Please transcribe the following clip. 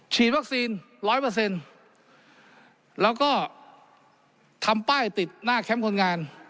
ฉีดวัคซีน๑๐๐แล้วก็ทำป้ายติดหน้าแคมป์คนงาน